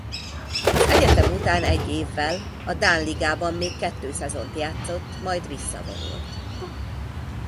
Az egyetem után egy évvel a dán ligában még kettő szezont játszott majd visszavonult.